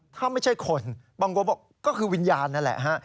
ถ้าไม่ใช่คนบางคนบอกก็คือวิญญาณนั่นแหละฮะ